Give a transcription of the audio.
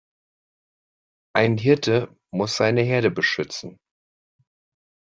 Ein Hirte muss seine Herde beschützen.